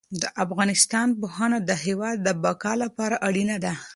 د افغانستان پوهنه د هېواد د بقا لپاره اړینه ده.